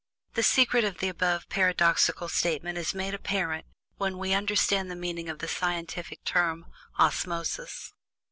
The secret of the above paradoxical statement is made apparent when we understand the meaning of the scientific term "osmosis."